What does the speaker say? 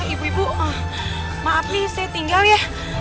ibu ibu maaf nih saya tinggal ya